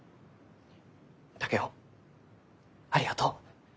竹雄ありがとう。